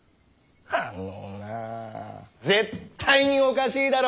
あのなぁ絶対におかしいだろ！